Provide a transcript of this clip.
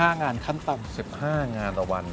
๑๕งานขั้นตำค่ะ๑๕งานต่อวัน